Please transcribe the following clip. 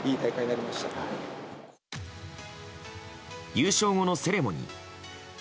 優勝後のセレモニー。